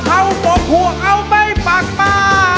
เอาหอมโมกฮัวเอาไปฝากป่า